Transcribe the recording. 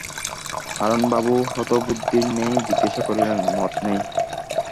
হারানবাবু হতবুদ্ধির ন্যায় জিজ্ঞাসা করিলেন, মত নেই?